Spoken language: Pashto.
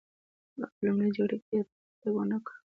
ما په لومړۍ جګړه کې ډېر پرمختګ نه و کړی